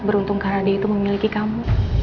beruntung karena dia itu memiliki kamu